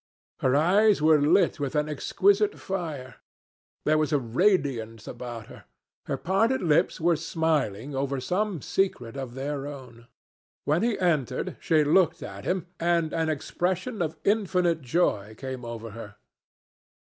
Her eyes were lit with an exquisite fire. There was a radiance about her. Her parted lips were smiling over some secret of their own. When he entered, she looked at him, and an expression of infinite joy came over her.